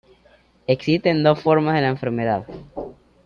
Existen dos formas de la enfermedad.